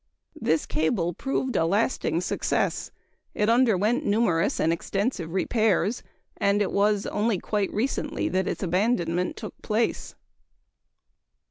This cable proved a lasting success: it underwent numerous and extensive repairs, and it was only quite recently that its abandonment took place.